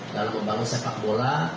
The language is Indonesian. dalam membangun sepak bola